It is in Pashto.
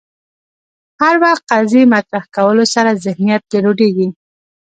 هر وخت قضیې مطرح کولو سره ذهنیت ګډوډېږي